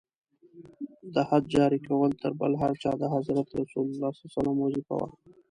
د حد جاري کول تر بل هر چا د حضرت رسول ص وظیفه وه.